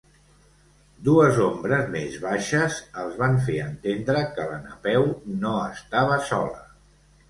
Dues ombres més baixes els van fer entendre que la Napeu no estava sola.